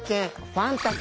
ファンタ君。